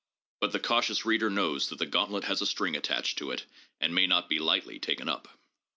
But the cautious reader knows that the gauntlet has a string attached to it and may not be lightly taken up.